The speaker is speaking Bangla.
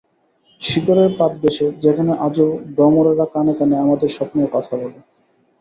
শিকড়ের পাদদেশে, যেখানে আজও ভ্রমরেরা কানে কানে আমাদের স্বপ্নের কথা বলে।